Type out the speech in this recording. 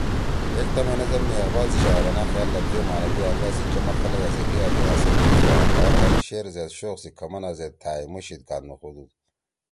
”ایک تا مے نظم می اقبال سی شاعرانہ خیال، لفظی او معنوی انداز سی چمک خلَگا سی حیِا زید اثر کیِشُو آں ہر ہر شعر زید شوق سی کھمنا زید تھأئںمُو شیِدکان نُوخُودُود